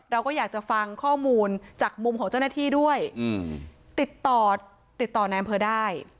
เราก็อยากจะฟังข้อมูลจากมุมของเจ้าหน้าที่ด้วยติดต่อติดต่อในอำเภอได้